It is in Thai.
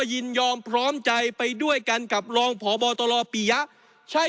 ยินยอมพร้อมใจไปด้วยกันกับรองพบตรปียะใช่